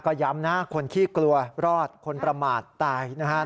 ก็ย้ำนะคนขี้กลัวรอดคนประมาทตายนะฮะ